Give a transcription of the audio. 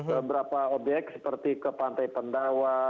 beberapa obyek seperti ke pantai pendawa